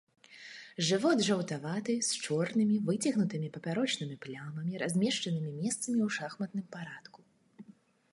Жывот жаўтаваты, з чорнымі, выцягнутымі папярочнымі плямамі, размешчанымі месцамі ў шахматным парадку.